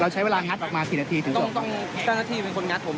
เราใช้เวลางัดออกมากี่นาทีถึงจบต้องต้องตั้งนาทีเป็นคนงัดผม